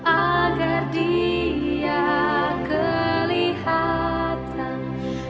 agar dia kelihatan pada setiap hari